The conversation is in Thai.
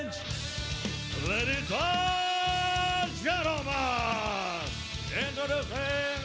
สวัสดีครับทุกคน